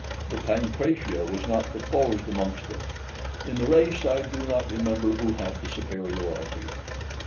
The Pancratia was not proposed amongst them. In the race I do not remember who had the superiority.